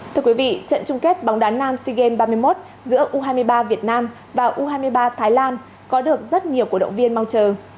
trận chung kết bóng đá nam sea games ba mươi một giữa u hai mươi ba việt nam và u hai mươi ba thái lan có được rất nhiều cổ động viên mong chờ